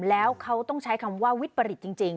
แล้วเขาต้องใช้คำว่าวิปริตจริง